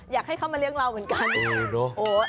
อยากให้เขามาเลี้ยงเราเหมือนกัน